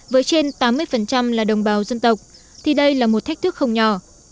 với trên tám mươi là đồng bào dân tộc thì đây là một thách thức không nhỏ